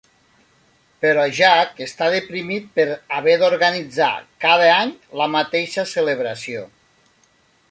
Però Jack està deprimit per haver d'organitzar cada any la mateixa celebració.